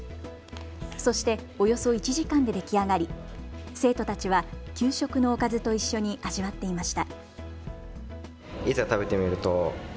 そしておよそ１時間で出来上がり生徒たちは給食のおかずと一緒に味わっていました。